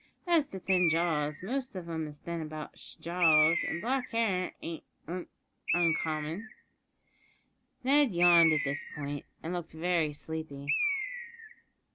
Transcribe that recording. As to thin jaws, most of 'em is thin about sh' jaws, an' black hair ain't un uncommon." Ned yawned at this point, and looked very sleepy.